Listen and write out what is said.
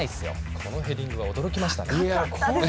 このヘディングは驚きましたね。